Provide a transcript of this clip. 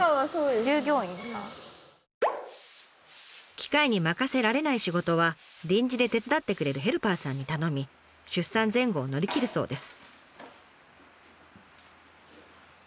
機械に任せられない仕事は臨時で手伝ってくれるヘルパーさんに頼み出産前後を乗り切るそうです。